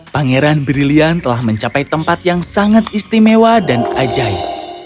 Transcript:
pangeran brilian telah mencapai tempat yang sangat istimewa dan ajaib